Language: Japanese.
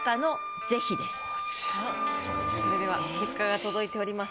それでは結果が届いております。